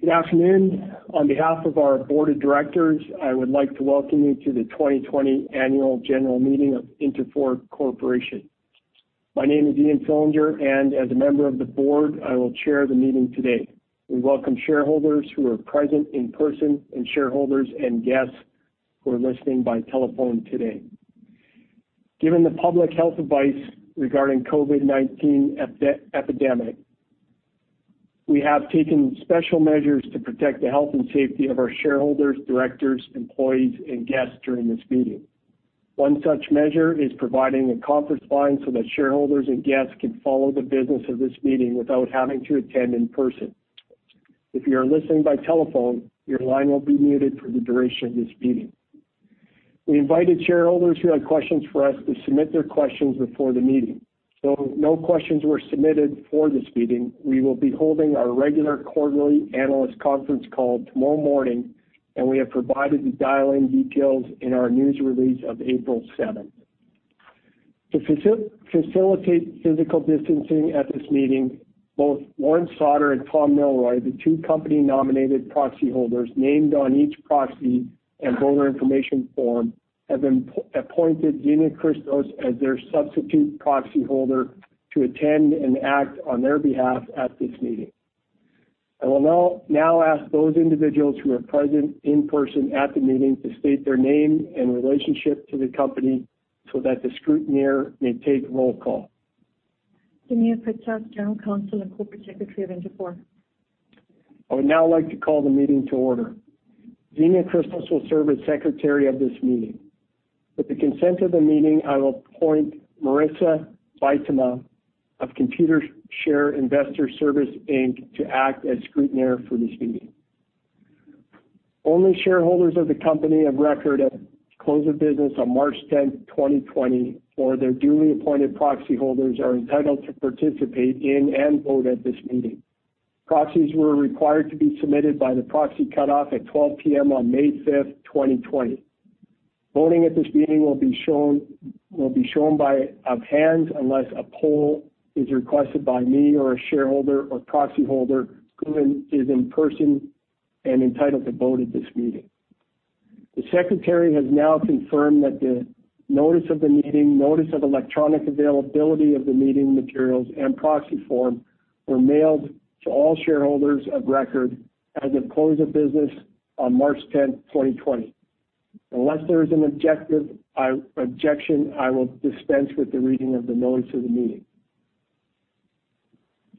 Good afternoon! On behalf of our Board of Directors, I would like to welcome you to the 2020 Annual General Meeting of Interfor Corporation. My name is Ian Fillinger, and as a member of the board, I will chair the meeting today. We welcome shareholders who are present in person, and shareholders and guests who are listening by telephone today. Given the public health advice regarding COVID-19 epidemic, we have taken special measures to protect the health and safety of our shareholders, directors, employees, and guests during this meeting. One such measure is providing a conference line, so that shareholders and guests can follow the business of this meeting without having to attend in person. If you are listening by telephone, your line will be muted for the duration of this meeting. We invited shareholders who had questions for us to submit their questions before the meeting. Though no questions were submitted for this meeting, we will be holding our regular quarterly analyst conference call tomorrow morning, and we have provided the dial-in details in our news release of April seventh. To facilitate physical distancing at this meeting, both Lawrence Sauder and Tom Milroy, the two company-nominated proxy holders named on each proxy and voter information form, have been appointed Xenia Kritsos as their substitute proxy holder to attend and act on their behalf at this meeting. I will now ask those individuals who are present in person at the meeting to state their name and relationship to the company so that the scrutineer may take roll call. Xenia Kritsos, General Counsel and Corporate Secretary of Interfor. I would now like to call the meeting to order. Xenia Kritsos will serve as secretary of this meeting. With the consent of the meeting, I will appoint Marisa Bietema of Computershare Investor Services Inc. to act as scrutineer for this meeting. Only shareholders of the company of record at close of business on March 10, 2020, or their duly appointed proxy holders, are entitled to participate in and vote at this meeting. Proxies were required to be submitted by the proxy cutoff at 12:00 P.M. on May 5, 2020. Voting at this meeting will be shown by a show of hands unless a poll is requested by me or a shareholder or proxy holder who is in person and entitled to vote at this meeting. The secretary has now confirmed that the notice of the meeting, notice of electronic availability of the meeting materials, and proxy form were mailed to all shareholders of record as of close of business on March 10, 2020. Unless there is an objection, I will dispense with the reading of the notice of the meeting.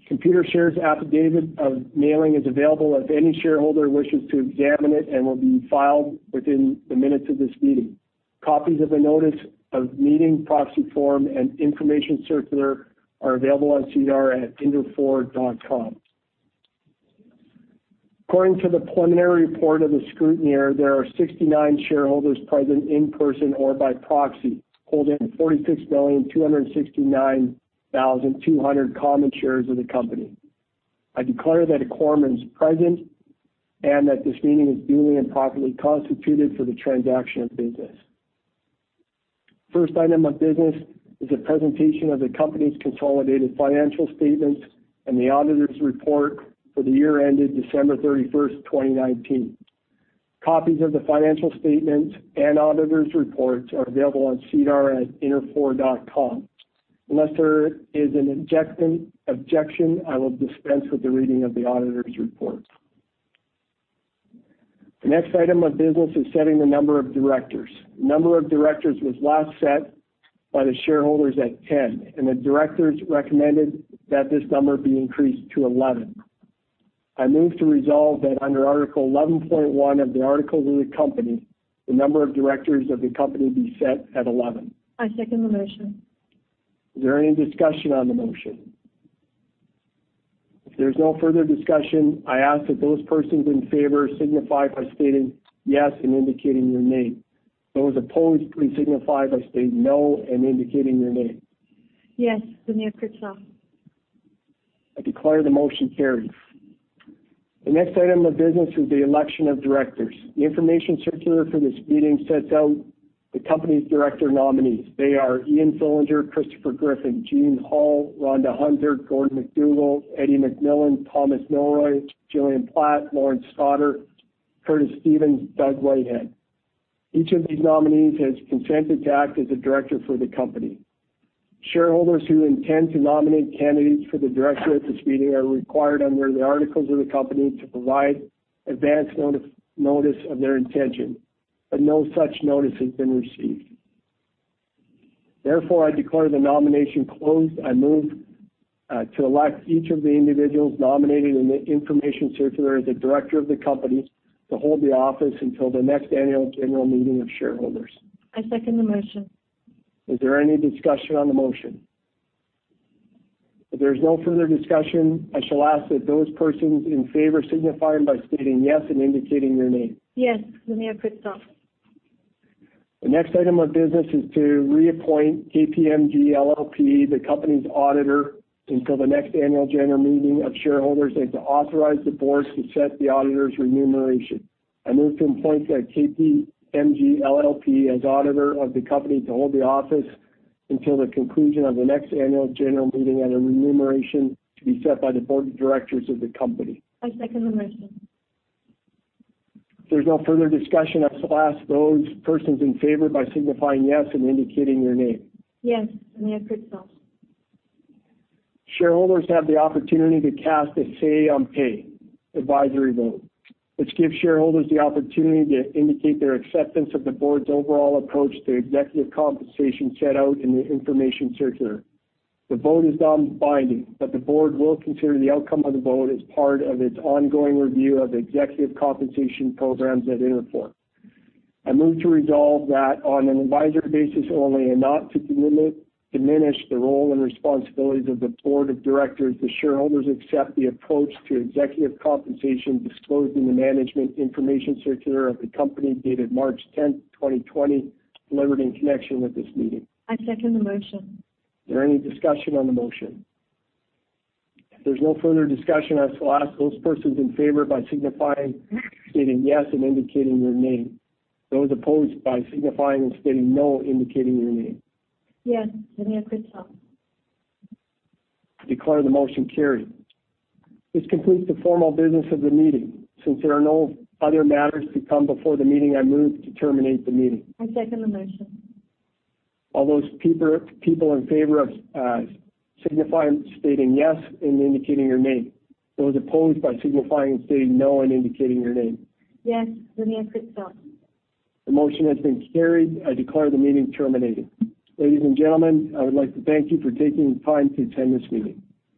Computershare's affidavit of mailing is available if any shareholder wishes to examine it and will be filed within the minutes of this meeting. Copies of the notice of meeting, proxy form, and Information Circular are available on SEDAR at interfor.com. According to the preliminary report of the scrutineer, there are 69 shareholders present in person or by proxy, holding 46,269,200 common shares of the company. I declare that a quorum is present and that this meeting is duly and properly constituted for the transaction of business. First item of business is a presentation of the company's consolidated financial statements and the auditor's report for the year ended December 31, 2019. Copies of the financial statements and auditor's reports are available on SEDAR at interfor.com. Unless there is an objection, I will dispense with the reading of the auditor's report. The next item of business is setting the number of directors. The number of directors was last set by the shareholders at 10, and the directors recommended that this number be increased to 11. I move to resolve that under Article 11.1 of the articles of the company, the number of directors of the company be set at 11. I second the motion. Is there any discussion on the motion? If there's no further discussion, I ask that those persons in favor signify by stating yes and indicating your name. Those opposed, please signify by saying no and indicating your name. Yes, Xenia Kritsos. I declare the motion carries. The next item of business is the election of directors. The Information Circular for this meeting sets out the company's director nominees. They are Ian Fillinger, Christopher Griffin, Jeane Hull, Rhonda Hunter, Gordon MacDougall, Eddie McMillan, Thomas Milroy, Gillian Platt, Lawrence Sauder, Curtis Stevens, Doug Whitehead. Each of these nominees has consented to act as a director for the company. Shareholders who intend to nominate candidates for the director at this meeting are required, under the articles of the company, to provide advance notice, notice of their intention, but no such notice has been received. Therefore, I declare the nomination closed. I move to elect each of the individuals nominated in the Information Circular as a director of the company to hold the office until the next annual general meeting of shareholders. I second the motion. Is there any discussion on the motion? If there's no further discussion, I shall ask that those persons in favor signify by stating yes and indicating their name. Yes, Xenia Kritsos. The next item of business is to reappoint KPMG LLP, the company's auditor, until the next annual general meeting of shareholders, and to authorize the board to set the auditor's remuneration. I move to appoint that KPMG LLP as auditor of the company to hold the office until the conclusion of the next annual general meeting at a remuneration to be set by the board of directors of the company. I second the motion. If there's no further discussion, I shall ask those persons in favor by signifying yes and indicating their name. Yes, Xenia Kritsos. Shareholders have the opportunity to cast a Say-on-Pay advisory vote, which gives shareholders the opportunity to indicate their acceptance of the board's overall approach to executive compensation set out in the Information Circular. The vote is non-binding, but the board will consider the outcome of the vote as part of its ongoing review of executive compensation programs at Interfor. I move to resolve that on an advisory basis only, and not to limit or diminish the role and responsibilities of the Board of Directors, the shareholders accept the approach to executive compensation disclosed in the Management Information Circular of the company dated March 10, 2020, delivered in connection with this meeting. I second the motion. Is there any discussion on the motion? If there's no further discussion, I shall ask those persons in favor by signifying, stating yes, and indicating their name. Those opposed by signifying and stating no, indicating their name. Yes, Xenia Kritsos. Declare the motion carried. This completes the formal business of the meeting. Since there are no other matters to come before the meeting, I move to terminate the meeting. I second the motion. All those people, people in favor of, signify by stating yes and indicating your name. Those opposed by signifying and stating no, and indicating your name. Yes, Xenia Kritsos. The motion has been carried. I declare the meeting terminated. Ladies and gentlemen, I would like to thank you for taking the time to attend this meeting.